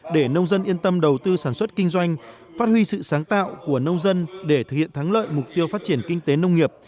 để nông dân yên tâm đầu tư sản xuất kinh doanh phát huy sự sáng tạo của nông dân để thực hiện thắng lợi mục tiêu phát triển kinh tế nông nghiệp